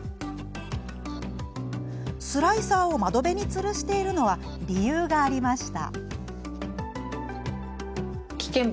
スライサーを窓辺につるしているのには理由がありました。